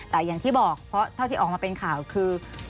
แต่อย่างที่บอกเพราะเท่าที่ออกมาเป็นข่าวคือ